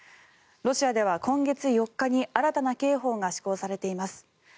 ロシアでは今月４日に新たな刑法が施行されています。